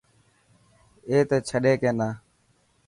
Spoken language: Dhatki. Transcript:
اي ته ڇڏي ڪينا.